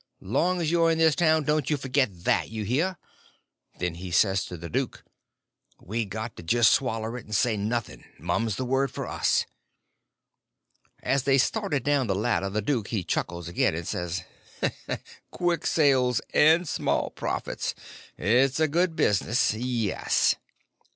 Long as you're in this town don't you forgit that—you hear?" Then he says to the duke, "We got to jest swaller it and say noth'n': mum's the word for us." As they was starting down the ladder the duke he chuckles again, and says: "Quick sales and small profits! It's a good business—yes."